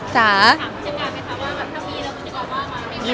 ไม่รู้